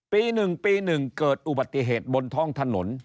ปี๑ปี๑เกิดอุบัติเหตุบนท้องถนน